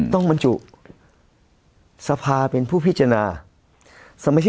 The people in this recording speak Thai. ต้องมันจุ